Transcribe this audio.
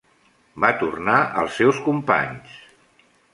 Va tornar als seus companys.